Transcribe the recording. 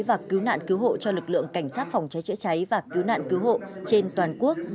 và cứu nạn cứu hộ cho lực lượng cảnh sát phòng cháy chữa cháy và cứu nạn cứu hộ trên toàn quốc